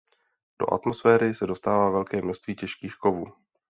Do atmosféry se dostává velké množství těžkých kovů.